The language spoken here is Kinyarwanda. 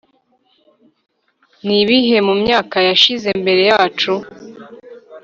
nibihe, mumyaka yashize mbere yacu,